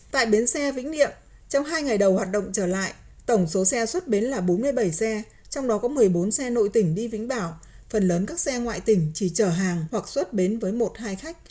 tại bến xe vĩnh niệm trong hai ngày đầu hoạt động trở lại tổng số xe xuất bến là bốn mươi bảy xe trong đó có một mươi bốn xe nội tỉnh đi vĩnh bảo phần lớn các xe ngoại tỉnh chỉ chở hàng hoặc xuất bến với một hai khách